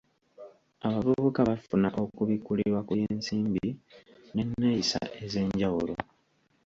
Abavubuka bafuna okubikkulirwa ku by'ensimbi n'enneeyisa ez'enjawulo.